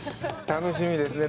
楽しみですね。